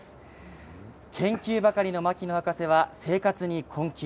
研究ばかりの牧野博士は生活に困窮。